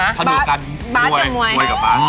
พันดวกกันนวยกับบาสบาสกับมวย